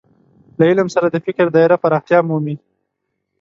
له علم سره د فکر دايره پراختیا مومي.